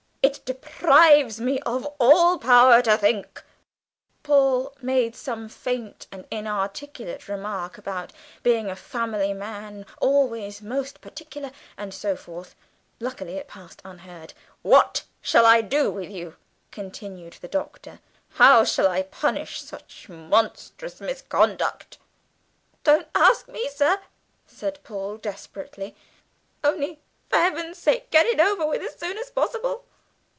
It deprives me of all power to think!" Paul made some faint and inarticulate remark about being a family man always most particular, and so forth luckily it passed unheard. "What shall I do with you?" continued the Doctor; "how shall I punish such monstrous misconduct?" "Don't ask me, sir," said Paul, desperately "only, for heaven's sake, get it over as soon as possible."